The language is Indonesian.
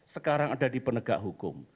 sekarang ada di penegak hukum